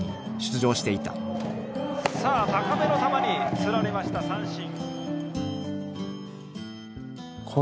高めの球に釣られました三振。